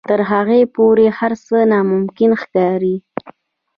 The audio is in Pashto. تر هغې پورې هر څه ناممکن ښکاري.